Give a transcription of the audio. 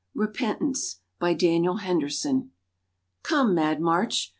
REPENTANCE By Daniel Henderson COME, mad March